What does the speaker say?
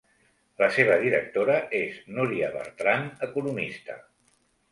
La seva directora és Núria Bertran, economista.